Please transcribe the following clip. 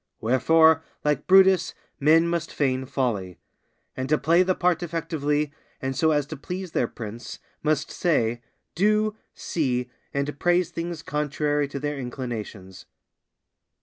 Wherefore, like Brutus, men must feign folly; and to play the part effectively, and so as to please their prince, must say, do, see, and praise things contrary to their inclinations.